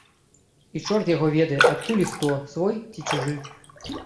І чорт яго ведае, адкуль і хто, свой ці чужы.